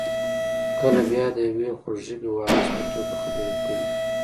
کله بیا د یوې خوږ ژبې واعظ په توګه خبرې کوي.